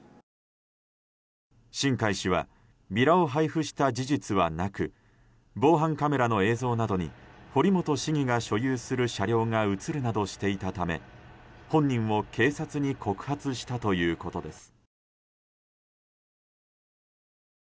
新開氏はビラを配布した事実はなく防犯カメラの映像などに堀本市議が所有する車両が映るなどしていたため、本人を警察に告発したということです。